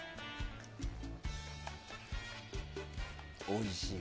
おいしい。